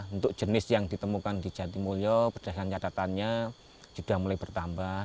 untuk jenis yang ditemukan di jetimulyo perjalanan catatannya juga mulai bertambah